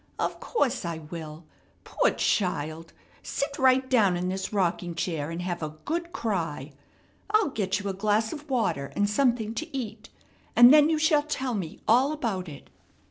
"Of course I will. Poor child; sit right down in this rocking chair, and have a good cry. I'll get you a glass of water and something to eat, and then you shall tell me all about it."